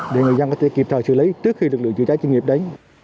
để người dân có thể kịp thời xử lý trước khi được được chữa cháy chuyên nghiệp đấy